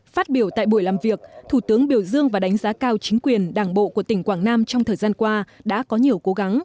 phát biểu tại buổi làm việc thủ tướng biểu dương và đánh giá cao chính quyền đảng bộ của tỉnh quảng nam trong thời gian qua đã có nhiều cố gắng